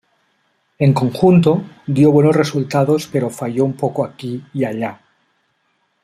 En conjunto, dio buenos resultados pero falló un poco aquí y allá.